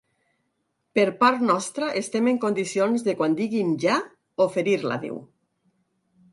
Per part nostra estem en condicions de quan diguin ‘ja’, oferir-la’, diu.